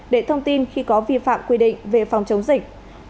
để thông tin khi có vi phạm quy định về phòng chống dịch